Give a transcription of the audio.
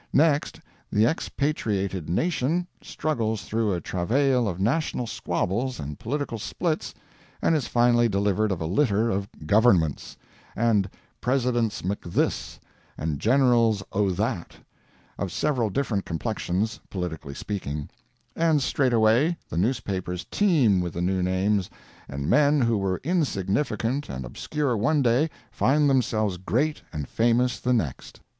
Next, the expatriated Nation struggles through a travail of national squabbles and political splits, and is finally delivered of a litter of "Governments," and Presidents McThis, and Generals O'That, of several different complexions, politically speaking; and straightway the newspapers teem with the new names, and men who were insignificant and obscure one day find themselves great and famous the next.